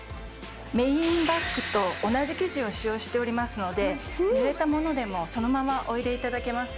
メインバッグと同じ生地を使用しておりますのでぬれたものでもそのままお入れいただけます。